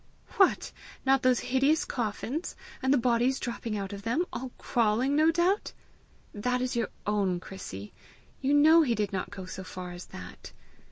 "What! not those hideous coffins and the bodies dropping out of them all crawling, no doubt?" "That is your own, Chrissy! You KNOW he did not go so far as that!